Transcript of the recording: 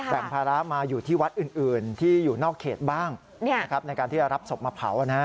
ภาระมาอยู่ที่วัดอื่นที่อยู่นอกเขตบ้างในการที่จะรับศพมาเผา